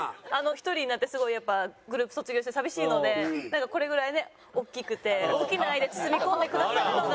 １人になってすごいやっぱグループ卒業して寂しいのでなんかこれぐらいね大きくて大きな愛で包み込んでくださるのが。